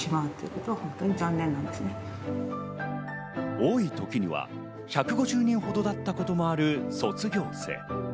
多い時には１５０人だったこともある卒業生。